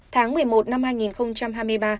tháng một mươi một năm hai nghìn hai mươi ba